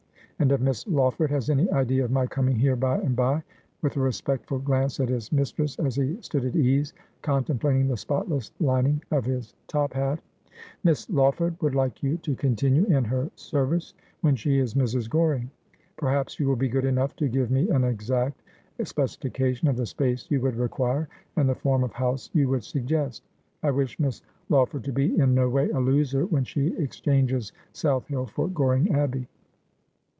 And if Miss Lawford has any idea of my coming here by and by ' with a respectful glance at his mistress, as he stood at ease, contemplating the spotless lining of his top hat. ' Miss Lawford would like you to continue in her service when she is Mrs. Goring. Perhaps you will be good enough to give me an exact specification of the space you would require, and the form of house you would suggest. I wish Miss Law ford to be in no way a loser when she exchanges South Hill for Goring Abbey.'